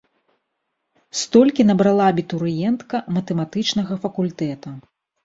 Столькі набрала абітурыентка матэматычнага факультэта.